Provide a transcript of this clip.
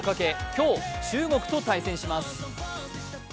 今日、中国と対戦します。